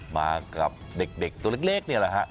มากับเด็กตัวเล็กนี่แหละฮะ